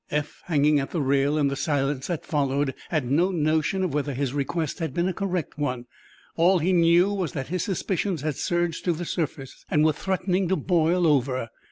Eph, hanging at the rail in the silence that followed, had no notion of whether his request had been a correct one. All he knew was that his suspicions had surged to the surface, and were threatening to boil over.